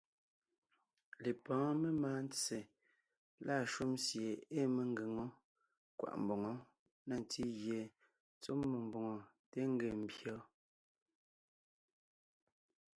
Lepɔ́ɔn memáa ntse lâ shúm sie ée mengʉ̀ŋe wó kwaʼ mboŋó na ntí gie tsɔ́ mmó mbòŋo téen ńgee ḿbyé wɔ́,